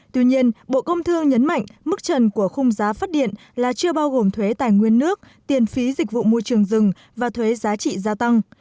tuy nhiên bộ công thương nhấn mạnh mức trần của khung giá phát điện là chưa bao gồm thuế tài nguyên nước tiền phí dịch vụ môi trường rừng và thuế giá trị gia tăng